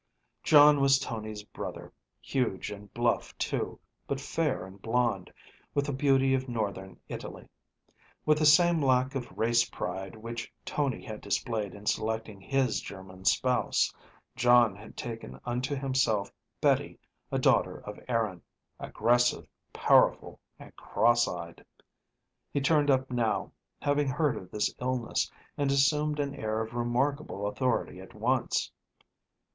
John was Tony's brother, huge and bluff too, but fair and blond, with the beauty of Northern Italy. With the same lack of race pride which Tony had displayed in selecting his German spouse, John had taken unto himself Betty, a daughter of Erin, aggressive, powerful, and cross eyed. He turned up now, having heard of this illness, and assumed an air of remarkable authority at once.